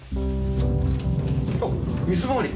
あっ水回り？